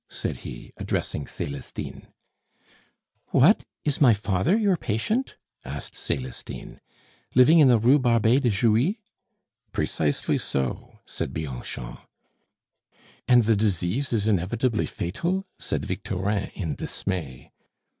said he, addressing Celestine. "What, is my father your patient?" asked Celestine. "Living in the Rue Barbet de Jouy?" "Precisely so," said Bianchon. "And the disease is inevitably fatal?" said Victorin in dismay.